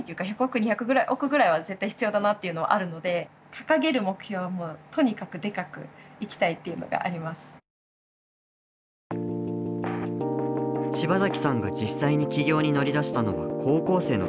そのビルにその柴崎さんが実際に起業に乗り出したのは高校生の時。